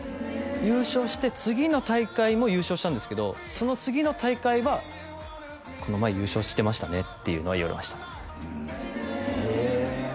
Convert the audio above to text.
優勝して次の大会も優勝したんですけどその次の大会はこの前優勝してましたねっていうのは言われましたへえ